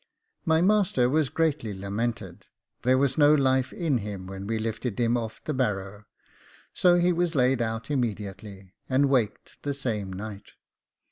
My master was greatly lamented: there was no life in him when we lifted him off the barrow, so he was laid out immediately, and 'waked' the same night.